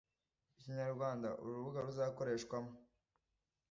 Ikinyarwanda, ururubuga, ruzakoreshwa mo